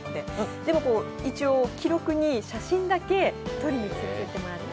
でも、一応記録に写真だけ撮りに行ってもらって。